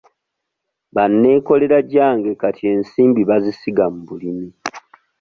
Banneekoleragyange kati ensimbibazisiga mu bulimi.